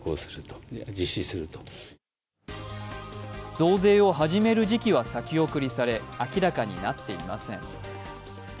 増税を始める時期は先送りされ明らかになっていません。